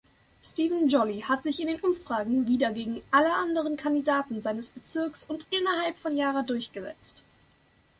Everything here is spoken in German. Stephen Jolly hat sich in den Umfragen wieder gegen alle andere Kandidaten seines Bezirks und innerhalb von Yarra durchgesetzt.